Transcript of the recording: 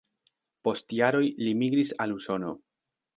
Post jaroj li migris al Usono.